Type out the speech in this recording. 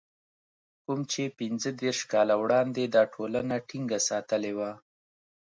کوم چې پنځه دېرش کاله وړاندې دا ټولنه ټينګه ساتلې وه.